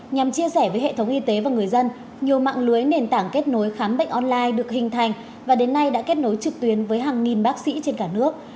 nhằm chia sẻ với hệ thống y tế và người dân nhiều mạng lưới nền tảng kết nối khám bệnh online được hình thành và đến nay đã kết nối trực tuyến với hàng nghìn bác sĩ trên cả nước